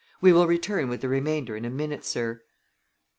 "We will return with the remainder in a minute, sir."